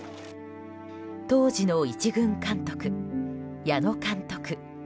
当時の１軍監督、矢野監督。